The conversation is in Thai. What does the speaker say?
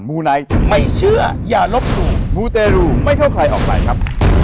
มูไนท์ไม่เชื่ออย่าลบหลู่มูเตรูไม่เข้าใครออกใครครับ